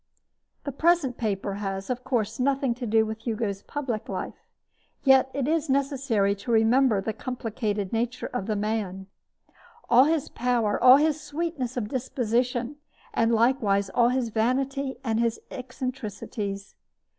The present paper has, of course, nothing to do with Hugo's public life; yet it is necessary to remember the complicated nature of the man all his power, all his sweetness of disposition, and likewise all his vanity and his eccentricities.